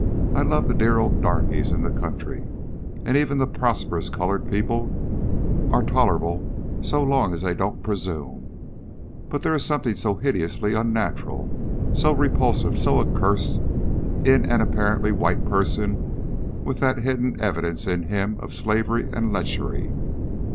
I love the dear old darkies in the country; and even the prosperous coloured people are tolerable so long as they don't presume; but there is something so hideously unnatural, so repulsive, so accursed, in an apparently white person with that hidden evidence in him of slavery and lechery.